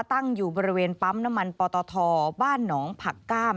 ตั้งอยู่บริเวณปั๊มน้ำมันปตทบ้านหนองผักก้าม